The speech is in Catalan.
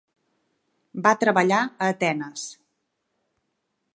Va treballar a Atenes.